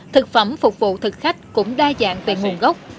thực phẩm phục vụ thực khách cũng đa dạng về nguồn gốc